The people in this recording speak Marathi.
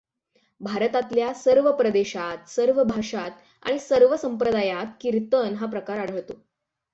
भारतातल्या सर्व प्रदेशांत, सर्व भाषांत आणि सर्व संप्रदायांत कीर्तन हा प्रकार आढळतो.